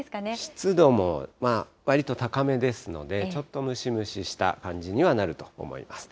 湿度もまあわりと高めですので、ちょっとムシムシした感じにはなると思います。